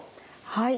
はい。